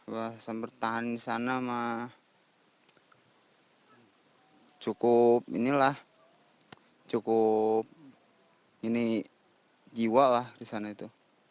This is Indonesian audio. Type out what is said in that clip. bah saya bertahan di sana mah cukup ini lah cukup ini jiwa lah di sana itu